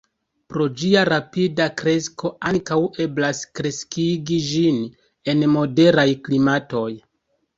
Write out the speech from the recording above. Pro ĝia rapida kresko ankaŭ eblas kreskigi ĝin en moderaj klimatoj.